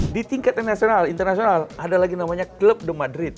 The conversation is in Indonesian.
di tingkat nasional internasional ada lagi namanya club de madrid